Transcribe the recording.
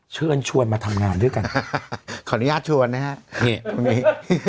เชิญชวนมาทำงานด้วยกันขออนุญาตชวนนะฮะนี่ตรงนี้